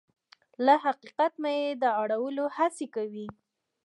له حقیقت نه يې د اړولو هڅې کوي.